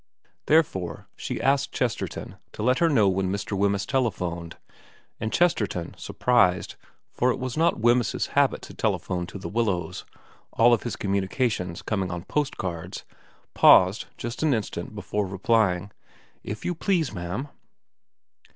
Therefore she asked Chesterton to let her know when Mr. Wemyss telephoned ; and Chesterton, surprised, for it was not Wemyss's habit to telephone to The Willows, all his communications coming on postcards, paused just an instant before replying, ' If you please, ma'am.'